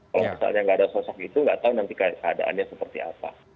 kalau misalnya ga ada sosok itu ga tau nanti keadaannya seperti apa